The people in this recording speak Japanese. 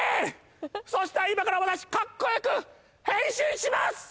そしたら今から私カッコよく変身します！